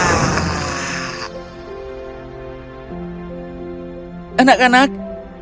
kau menggunakan kelemahanku untuk melawanku